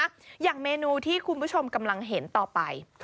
อย่างเมนูที่คุณผู้ชมกำลังเห็นต่อไป